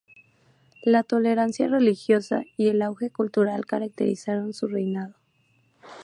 La tolerancia religiosa y el auge cultural caracterizaron su reinado.